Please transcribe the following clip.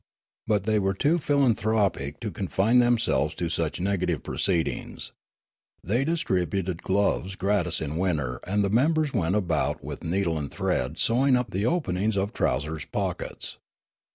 But they were too philanthropic to confine themselves to such negative proceedings ; they distributed gloves gratis in winter and the members went about with needle and thread sewing up the openings of trousers pockets.